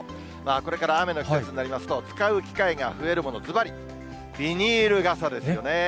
これから雨の季節になりますと、使う機会が増えるもの、ずばり、ビニール傘ですよね。